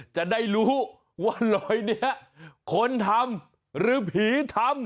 จะได้รู้ว่ารอยนี้คนทำหรือผีทำ